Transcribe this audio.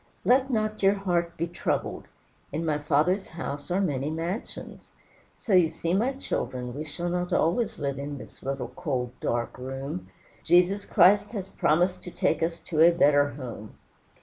'Let not your heart be troubled; in my Father's house are many mansions.' So you see, my children, we shall not always live in this little, cold, dark room. Jesus Christ has promised to take us to a better home."